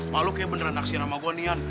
malu kayak beneran naksir sama gua nih ian